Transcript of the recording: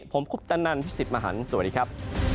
ผมคุปตะนันพี่สิทธิ์มหันฯสวัสดีครับ